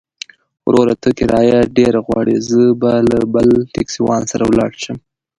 وروره! ته کرايه ډېره غواړې، زه به له بل ټکسيوان سره ولاړ شم.